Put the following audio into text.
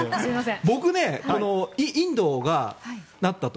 僕、インドがなったと。